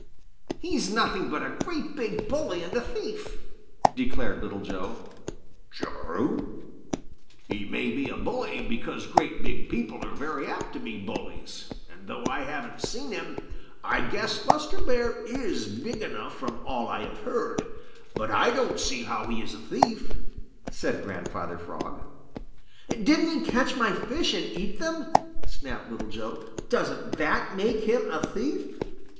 "He's nothing but a great big bully and thief!" declared Little Joe. "Chug a rum! He may be a bully, because great big people are very apt to be bullies, and though I haven't seen him, I guess Buster Bear is big enough from all I have heard, but I don't see how he is a thief," said Grandfather Frog. "Didn't he catch my fish and eat them?" snapped Little Joe. "Doesn't that make him a thief?"